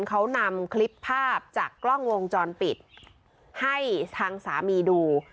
เขานำคลิปภาพจากกล้องวงจรปิดให้ทางสามีดู